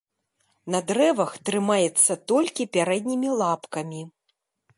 На дрэвах трымаецца толькі пярэднімі лапкамі.